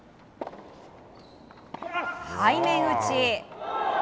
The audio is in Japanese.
背面打ち。